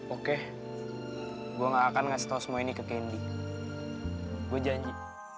oke gue gak akan ngasih tau semua ini ke kendi gue janji